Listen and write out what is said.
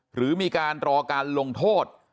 หรือมีการรอการลงโทษ